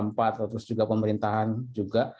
terus juga pemerintahan juga